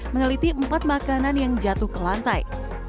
meneliti empat makanan yang jatuh ke lantai